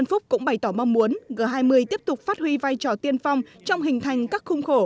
nguyễn phúc cũng bày tỏ mong muốn g hai mươi tiếp tục phát huy vai trò tiên phong trong hình thành các khung khổ